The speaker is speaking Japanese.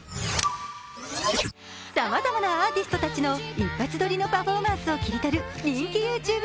さまざまなアーティストたちの一発撮りのパフォーマンスを切り取る人気ＹｏｕＴｕｂｅ